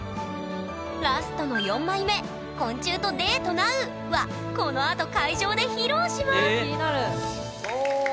ラストの４枚目「昆虫とデートなう」はこのあと会場で披露します！